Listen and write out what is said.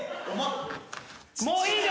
もういい。